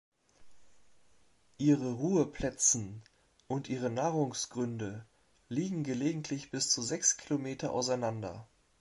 Ihre Ruheplätzen und ihre Nahrungsgründe liegen gelegentlich bis zu sechs Kilometer auseinander.